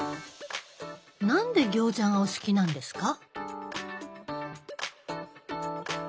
何で餃子がお好きなんですか？